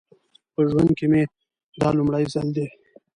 په ژوند کې مې دا لومړی ځل دی.